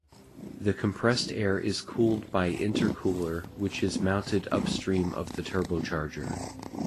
The compressed air is cooled by intercooler which is mounted upstream of the turbocharger.